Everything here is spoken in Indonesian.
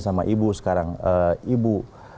sama ibu sekarang ibu